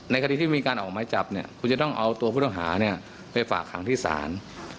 คดีที่มีการออกไม้จับเนี่ยคุณจะต้องเอาตัวผู้ต้องหาไปฝากขังที่ศาล